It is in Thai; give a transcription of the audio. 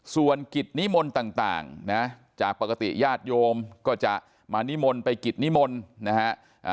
ส่วนกิจนิมนต์ต่างนะจากปกติญาติโยมก็จะมานิมนต์ไปกิจนิมนต์นะฮะ